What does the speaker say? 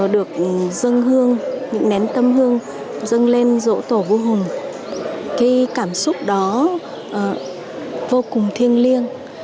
được dâng hương những nén tâm hương dâng lên rỗ tổ vua hùng cái cảm xúc đó vô cùng thiêng liêng